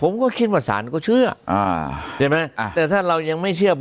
ผมก็คิดว่าศาลก็เชื่ออ่าใช่ไหมแต่ถ้าเรายังไม่เชื่อ